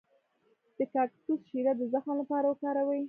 د کاکتوس شیره د زخم لپاره وکاروئ